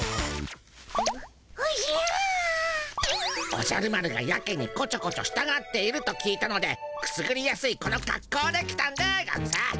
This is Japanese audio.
おじゃる丸がやけにこちょこちょしたがっていると聞いたのでくすぐりやすいこのかっこうで来たんでゴンス。